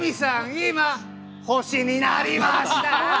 今、星になりました」